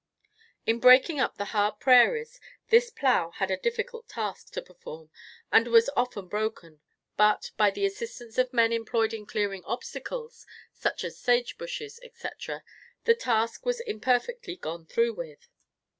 In breaking up the hard prairies, this plough had a difficult task to perform and was often broken; but, by the assistance of men employed in clearing obstacles, such as sage bushes, etc., the task was imperfectly gone through with.